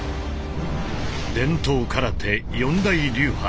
伝統空手四大流派。